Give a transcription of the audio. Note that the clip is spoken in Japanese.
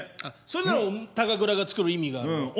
あっそれなら高倉が作る意味があるな。